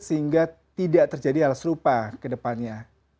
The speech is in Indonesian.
sehingga tidak terjadi alas rupa ke depannya